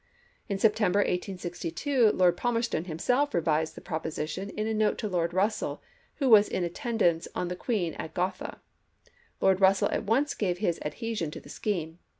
In September, 1862, Lord Palmerston himself revived the proposition in a note to Lord Russell, who was in attendance on the Queen at Gotha. Lord Russell at once gave his adhesion to the scheme.